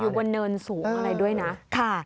บนเนินสูงอะไรด้วยนะ